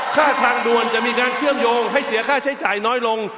ทางด่วนจะมีการเชื่อมโยงให้เสียค่าใช้จ่ายน้อยลง